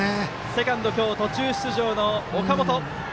セカンド、今日途中出場の岡本。